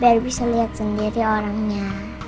biar bisa lihat sendiri orangnya